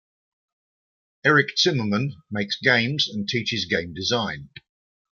Eric Zimmerman makes games and teaches game design.